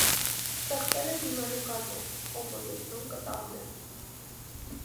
Ստեղծել է դիմանկարներ, կոմպոզիցիոն կտավներ։